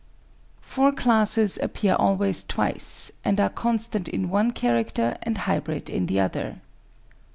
Four classes appear always twice, and are constant in one character and hybrid in the other.